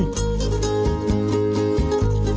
ที่เก่าแก่ที่สุดของหมู่บ้านชี้ท้วน